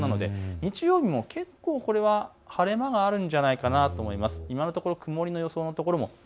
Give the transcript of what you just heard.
日曜日も晴れ間があるんじゃないかなと思います。